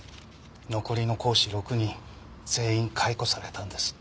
残りの講師６人全員解雇されたんです。